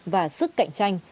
và sức cạnh tranh